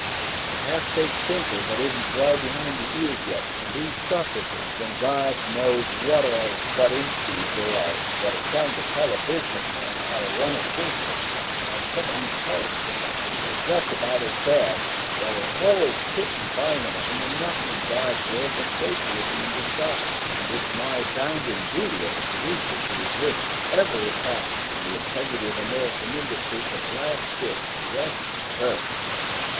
The half baked thinker that isn't dry behind the ears yet, and these suffragettes and God knows what all buttinskis there are that are trying to tell a business man how to run his business, and some of these college professors are just about as bad, the whole kit and bilin' of 'em are nothing in God's world but socialism in disguise! And it's my bounden duty as a producer to resist every attack on the integrity of American industry to the last ditch. Yes SIR!"